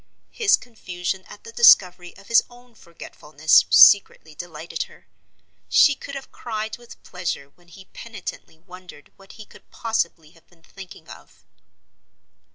His confusion at the discovery of his own forgetfulness secretly delighted her; she could have cried with pleasure when he penitently wondered what he could possibly have been thinking of.